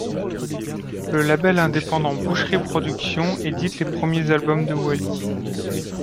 Le label indépendant Boucherie Productions édite les premiers albums de Wally.